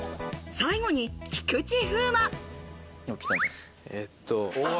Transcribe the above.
最後に菊池風磨。